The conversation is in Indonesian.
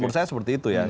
menurut saya seperti itu ya